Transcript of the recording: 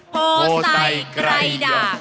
โพสัยใกล้ด่าง